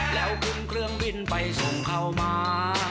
แล้วขึ้นเครื่องบินไปส่งเขามา